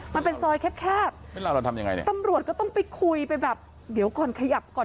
มันเป็นซอยแคบตำรวจก็ต้องไปคุยไปแบบเดี๋ยวก่อนขยับก่อน